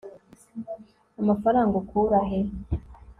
amafaranga ukura he